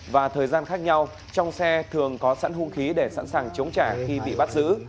và thời gian khác nhau trong xe thường có sẵn hung khí để sẵn sàng chống trả khi bị bắt giữ